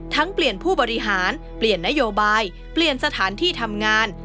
เปลี่ยนผู้บริหารเปลี่ยนนโยบายเปลี่ยนสถานที่ทำงาน